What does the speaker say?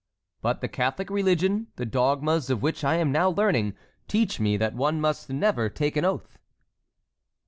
"But the Catholic religion, the dogmas of which I am now learning, teach me that one must never take an oath."